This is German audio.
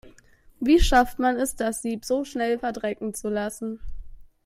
Wie schafft man es, das Sieb so schnell verdrecken zu lassen?